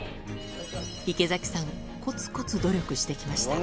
池崎さん、こつこつ努力してきました。